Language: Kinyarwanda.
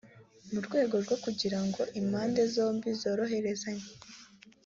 mu rwego rwo kugira ngo impande zombi zoroherezanye